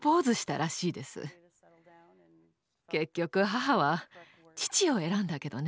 結局母は父を選んだけどね。